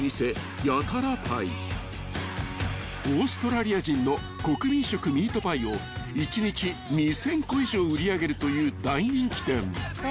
［オーストラリア人の国民食ミートパイを一日２，０００個以上売り上げるという大人気店］